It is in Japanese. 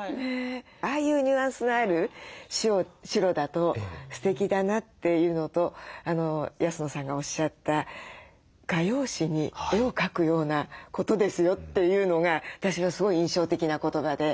ああいうニュアンスのある白だとすてきだなっていうのと安野さんがおっしゃった「画用紙に絵を描くようなことですよ」というのが私はすごい印象的な言葉で。